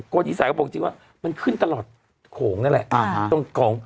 อีสานก็บอกจริงว่ามันขึ้นตลอดโขงนั่นแหละ